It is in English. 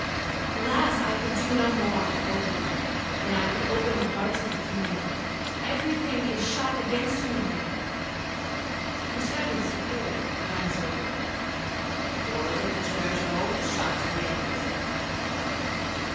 —Alas! I could no more open them, than I could open the hearts of the community—every thing is shut against me here.' He turned to the Superior, who answered, 'The doors of the church are always shut to the enemies of God.'